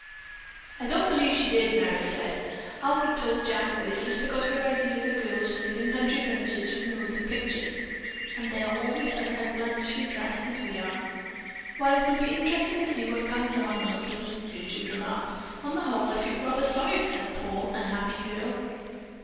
"I don't believe she did," Merry said. "Alfred told Jack that his sister got her ideas of girls who live in country villages from the moving pictures, and they are always as outlandishly dressed as we are." "Well it will be interesting to see what comes of our nonsense," Gertrude remarked. "On the whole I feel rather sorry for that poor, unhappy girl."